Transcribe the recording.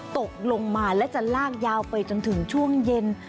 ตกลงมาและจะลากยาวไปจนถึงช่วงเย็น